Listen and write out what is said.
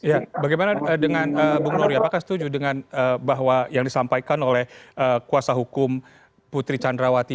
ya bagaimana dengan bung nori apakah setuju dengan bahwa yang disampaikan oleh kuasa hukum putri candrawati